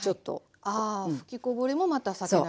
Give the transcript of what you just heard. ああ吹きこぼれもまた避けなければ。